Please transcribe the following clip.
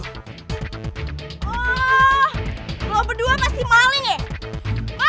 oh lo berdua pasti maling ya